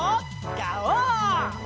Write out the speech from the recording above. ガオー！